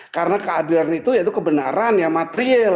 karena keadilan itu yaitu kebenaran yang material